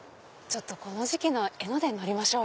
この時期の江ノ電乗りましょう。